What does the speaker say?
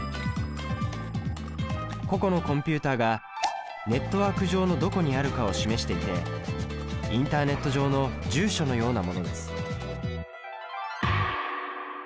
個々のコンピュータがネットワーク上のどこにあるかを示していてインターネット上の住所のようなものです。